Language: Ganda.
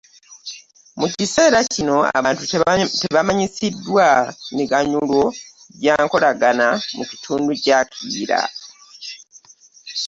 Mu kiseera kino abantu tebamanyisiddwa miganyulo gya Nkolagana mu Kitundu kya Kiyira.